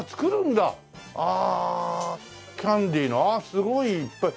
ああキャンディーのすごいいっぱい。